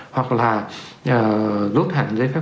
hoặc là rút hẳn giấy phép